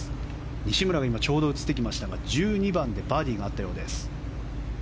西村がちょうど映ってきましたが１２番でバーディーがあったようです。